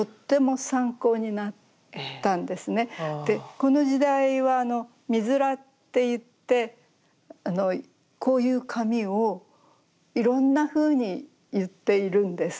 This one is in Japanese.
この時代は「角髪」っていってこういう髪をいろんなふうに結っているんです。